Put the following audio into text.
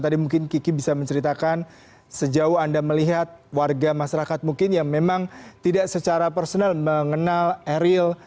tadi mungkin kiki bisa menceritakan sejauh anda melihat warga masyarakat mungkin yang memang tidak secara personal mengenal ariel